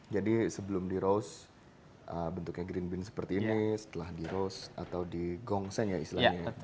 jadi sebelum di roast bentuknya green bean seperti ini setelah di roast atau di gongsen ya istilahnya